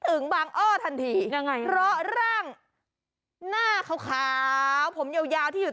เอาแต่คอมา